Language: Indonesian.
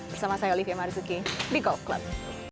bersama saya olivia marzuki di gold club